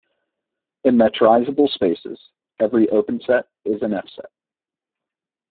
In metrizable spaces, every open set is an F set.